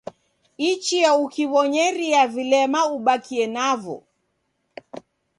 Ichia ukiw'onyeria vilema ubakie navo